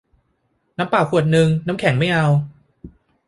น้ำเปล่าขวดนึง น้ำแข็งไม่เอา